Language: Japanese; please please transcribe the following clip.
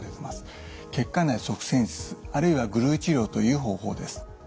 血管内塞栓術あるいはグルー治療という方法です。